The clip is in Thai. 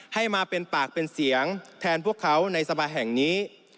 ให้มาเป็นปากเป็นเสียงแทนพวกเขาในสภาแห่งนี้